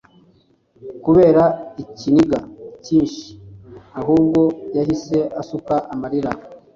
kubera ikiniga cyinshi ahubwo yahise asuka amarira,